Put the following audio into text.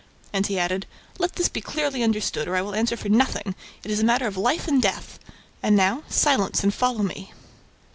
And he added, "Let this be clearly understood, or I will answer for nothing. It is a matter of life and death. And now, silence and follow me!"